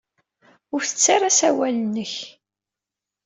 Ur ttettu ara asawal-nnek.